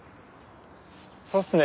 そうっすね。